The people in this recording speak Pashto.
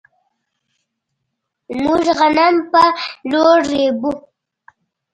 موږ غنم په لور ريبو.